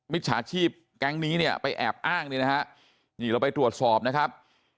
จฉาชีพแก๊งนี้เนี่ยไปแอบอ้างเนี่ยนะฮะนี่เราไปตรวจสอบนะครับ